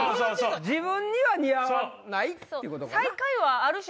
自分には似合わないってことか。